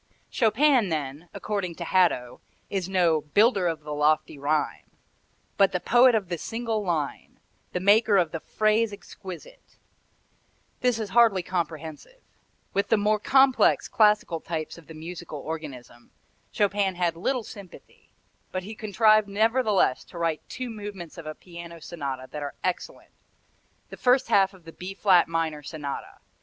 Chopin then, according to Hadow, is no "builder of the lofty rhyme," but the poet of the single line, the maker of the phrase exquisite. This is hardly comprehensive. With the more complex, classical types of the musical organism Chopin had little sympathy, but he contrived nevertheless to write two movements of a piano sonata that are excellent the first half of the B flat minor Sonata.